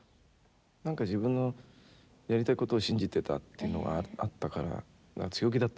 なんか自分のやりたいことを信じてたっていうのがあったから強気だった。